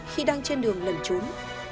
khi đang trên đường lần trốn